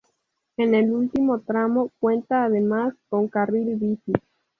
En el último tramo cuenta además con carril bici.